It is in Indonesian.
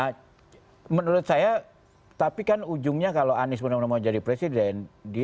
nah menurut saya tapi kan ujungnya kalau anies benar benar mau jadi presiden